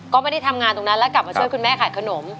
ก็ไม่ได้ทำงานตรงนั้นแล้วกลับมาช่วยคุณแม่ขายขนม